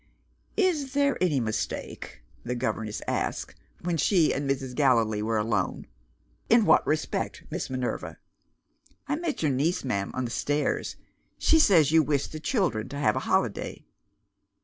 "Is there any mistake?" the governess asked, when she and Mrs. Gallilee were alone. "In what respect, Miss Minerva?" "I met your niece, ma'am, on the stairs. She says you wish the children to have a holiday."